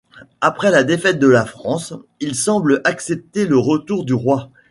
Après la défaite de la France, il semble accepter le retour du roi.